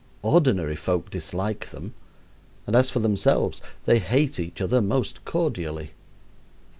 Ordinary folk dislike them, and as for themselves, they hate each other most cordially.